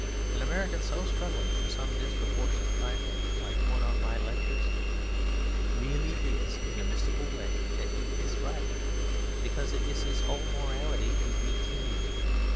An American so struggling for some disproportionate trifle (like one of my lectures) really feels in a mystical way that he is right, because it is his whole morality to be keen.